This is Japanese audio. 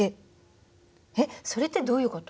えっそれってどういう事？